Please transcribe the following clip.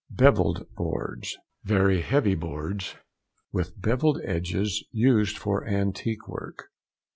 BEVELLED BOARDS.—Very heavy boards with bevelled edges; used for antique work.